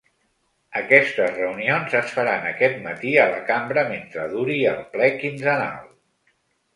Aquestes reunions es faran aquest matí a la cambra mentre duri el ple quinzenal.